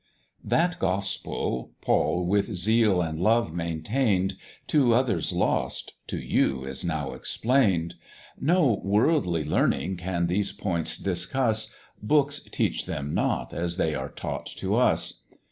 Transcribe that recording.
"That Gospel, Paul with zeal and love maintain'd, To others lost, to you is now explain'd; No worldly learning can these points discuss, Books teach them not as they are taught to us.